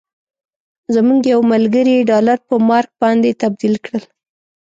زموږ یو ملګري ډالر په مارک باندې تبدیل کړل.